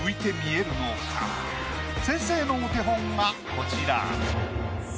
先生のお手本がこちら。